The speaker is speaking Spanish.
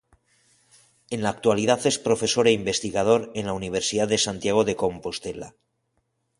En la actualidad es profesor e investigador en la Universidad de Santiago de Compostela.